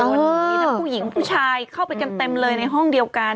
วันนี้มีทั้งผู้หญิงผู้ชายเข้าไปกันเต็มเลยในห้องเดียวกัน